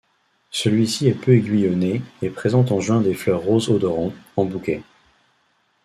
Celui-ci est peu aiguillonné et présente en juin des fleurs roses odorantes, en bouquets.